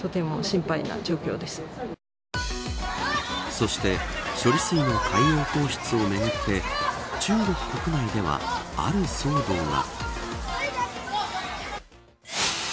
そして処理水の海洋放出をめぐって中国国内では、ある騒動が。